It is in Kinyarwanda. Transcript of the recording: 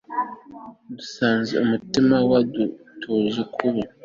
dusanze umutima wadutoje kuba